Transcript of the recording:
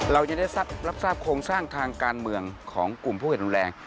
เรายังได้รับทราบโครงสร้างทางการเมืองของกลุ่มผู้เห็นรุนแรง